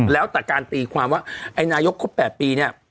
แล้วแต่การตีความว่านายกครบ๘ปี